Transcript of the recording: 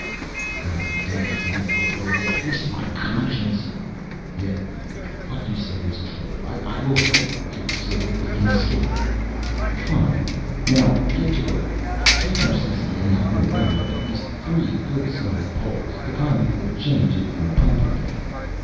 "You are the devil's advocate the way you twist my conscience yet what you say is true. I will help you here so that we can escape." "Fine. Now get to work. Take Narsisi and have him round up at least three good sized poles, the kind we were chained to in the pumping gang.